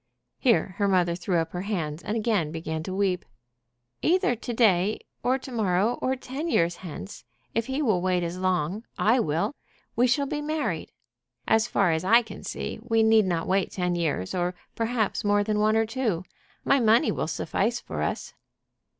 Here her mother threw up her hands and again began to weep. "Either to day or to morrow, or ten years hence, if he will wait as long, I will, we shall be married. As far as I can see we need not wait ten years, or perhaps more than one or two. My money will suffice for us."